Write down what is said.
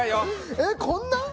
えっこんな？